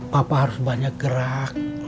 papa harus banyak gerak